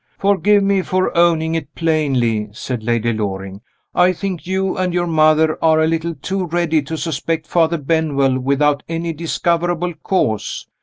"Forgive me for owning it plainly," said Lady Loring "I think you and your mother are a little too ready to suspect Father Benwell without any discoverable cause.